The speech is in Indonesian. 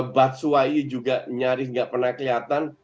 batsuwai juga nyaris tidak pernah kelihatan